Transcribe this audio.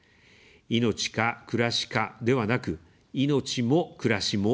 「命か、暮らしか」ではなく、「命も、暮らしも」